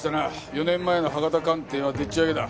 ４年前の歯型鑑定はでっち上げだ。